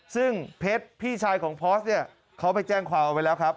ซึ่งเพชรพี่ชายของพอสเนี่ยเขาไปแจ้งความเอาไว้แล้วครับ